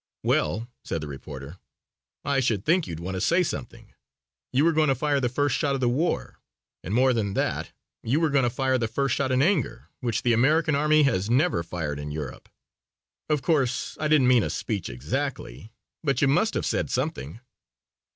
"Well," said the reporter, "I should think you'd want to say something. You were going to fire the first shot of the war, and more than that, you were going to fire the first shot in anger which the American army has ever fired in Europe. Of course, I didn't mean a speech exactly, but you must have said something."